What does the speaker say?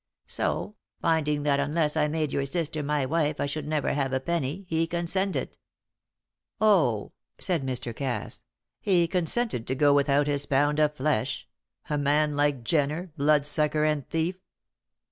So, finding that unless I made your sister my wife I should never have a penny, he consented." "Oh," said Mr. Cass, "he consented to go without his pound of flesh a man like Jenner, bloodsucker and thief!"